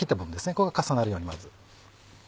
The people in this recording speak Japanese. ここが重なるようにまず。